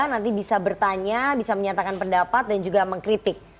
nanti bisa bertanya bisa menyatakan pendapat dan juga mengkritik